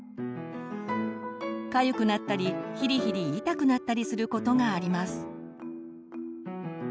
かゆくなったりヒリヒリ痛くなったりすることがあります。